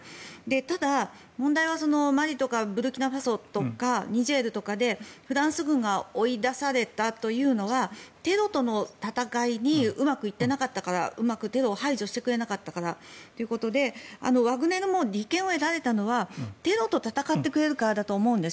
ただ、問題はマリとかブルキナファソとかニジェールとかでフランス軍が追い出されたというのはテロとの戦いにうまくいってなかったからうまくテロを排除してくれなかったからということでワグネルも利権を得られたのはテロと戦ってくれるからだと思うんです。